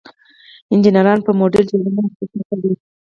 انجینران په موډل جوړونه تکیه کوي.